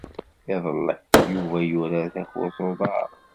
Iḍelli, Yuba yurar takurt n uḍar.